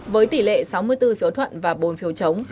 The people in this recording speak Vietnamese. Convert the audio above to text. với tỷ lệ sáu mươi bốn phiếu thuận và bốn phiếu chống